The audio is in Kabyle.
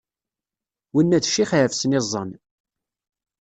Winna d ccix iɛefsen iẓẓan.